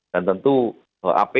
dan tentu apa yang harus dilakukan